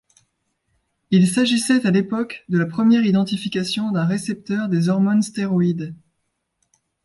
Il s'agissait à l'époque de la première identification d'un récepteur des hormones stéroïdes.